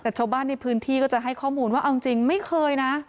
แต่ชาวบ้านในพื้นที่ก็จะให้ข้อมูลว่าเอาจริงไม่เคยนะ